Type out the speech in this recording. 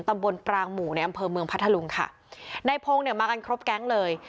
ปรางหมู่ในอำเภอเมืองพัทธลุงค่ะนายพงศ์เนี่ยมากันครบแก๊งเลย